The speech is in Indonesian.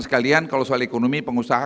sekalian kalau soal ekonomi pengusaha